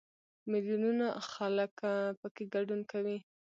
میلیونونه خلک پکې ګډون کوي.